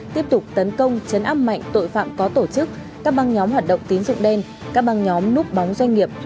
tiếp tục tấn công chấn áp mạnh tội phạm có tổ chức các băng nhóm hoạt động tín dụng đen các băng nhóm núp bóng doanh nghiệp